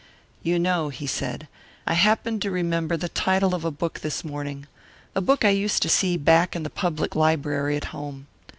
"You know," he said, "I happened to remember the title of a book this morning; a book I used to see back in the public library at home.